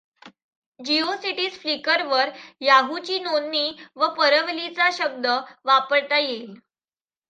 GeoCities फ्लिकरवर याहूची नोंदणी व परवलीचा शब्द वापरता येईल.